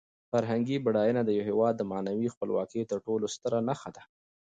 فرهنګي بډاینه د یو هېواد د معنوي خپلواکۍ تر ټولو ستره نښه ده.